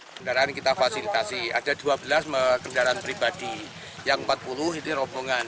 kendaraan kita fasilitasi ada dua belas kendaraan pribadi yang empat puluh ini rombongan